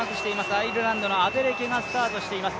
アイルランドのアデレケがスタートしています。